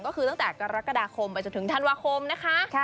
ก็คือตั้งแต่กรกฎาคมไปจนถึงธันวาคมนะคะ